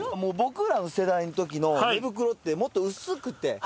僕らの世代の時の寝袋ってもっと薄くて。